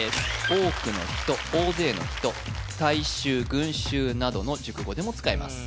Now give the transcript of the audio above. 多くの人大勢の人大衆群衆などの熟語でも使います